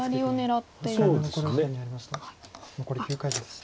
残り９回です。